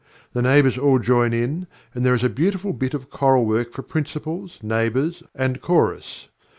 The neighbours all join in, and there is a beautiful bit of choral work for principals, neighbours, and chorus.